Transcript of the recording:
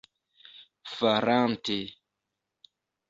farante